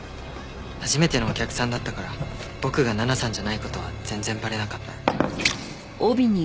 初めてのお客さんだったから僕が奈々さんじゃない事は全然バレなかった。